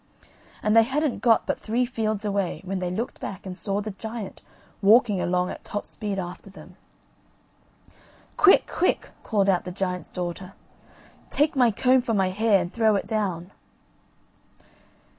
And they hadn't got but three fields away when they looked back and saw the giant walking along at top speed after them. "Quick, quick," called out the giant's daughter, "take my comb from my hair and throw it down."